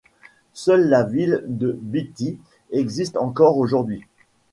Seule la ville de Beatty existe encore aujourd'hui.